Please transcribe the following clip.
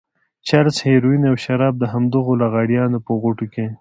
چرس، هيروين او شراب د همدغو لغړیانو په غوټو کې.